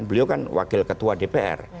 beliau kan wakil ketua dpr